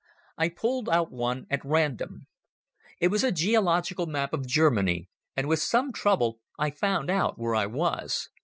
I pulled out one at random. It was a geological map of Germany, and with some trouble I found out where I was.